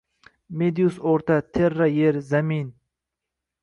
Medius oʻrta, terra yer, zamin